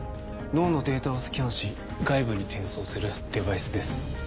脳のデータをスキャンし外部に転送するデバイスです。